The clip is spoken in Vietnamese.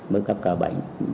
mới cấp ca bệnh